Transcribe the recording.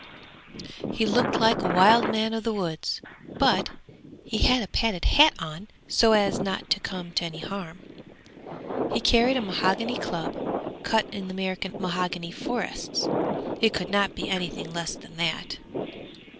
He looked like a wild man of the woods, but he had a padded hat on so as not to come to any harm. He carried a mahogany club cut in the American mahogany forests. It could not be anything less than that.